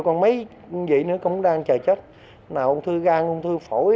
cái này mình làm được chai nhựa này